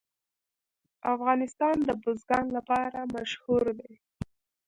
افغانستان د بزګان لپاره مشهور دی.